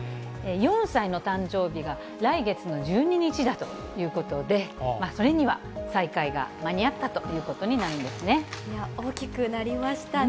４歳の誕生日が来月の１２日だということで、それには再開が間に合ったということになるんですね。